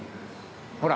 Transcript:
ほら！